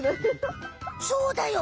そうだよ！